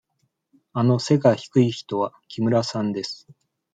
あの背が低い人は木村さんです。